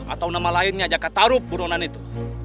atau nama lainnya jakatarup burunan itu